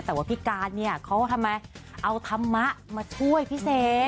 แต่ว่าพี่การเนี่ยเขาทำไมเอาธรรมะมาช่วยพี่เสก